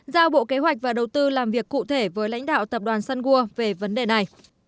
giao bộ kế hoạch và đầu tư làm việc cụ thể với lãnh đạo tập đoàn sunwood về vấn đề này